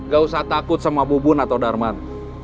gak usah takut sama bubun atau darman